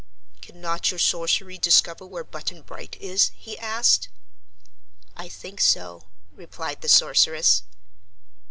"Cannot your sorcery discover where Button Bright is?" he asked. "I think so," replied the Sorceress.